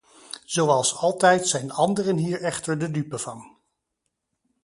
Zoals altijd zijn anderen hier echter de dupe van.